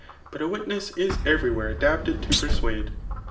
But a witness is every where adapted to persuade.